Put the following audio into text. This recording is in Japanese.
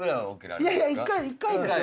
いやいや１回ですよ。